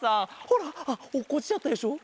ほらあっおっこちちゃったでしょ？